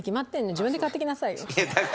自分で買ってきなさいよ。